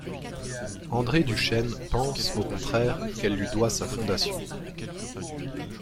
André du Chesne pense, au contraire, qu'elle lui doit sa fondation.